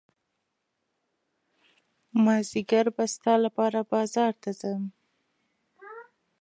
مازدیګر به ستا لپاره بازار ته ځم.